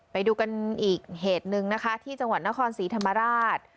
ไปดูกันอีกเหตุหนึ่งนะคะที่จังหวัดนครศรีธรรมราช